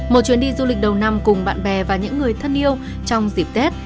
một chuyến đi du lịch đầu năm cùng bạn bè và những người thân yêu trong dịp tết